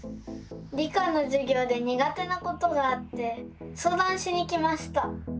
理科のじゅぎょうでにが手なことがあってそうだんしに来ました。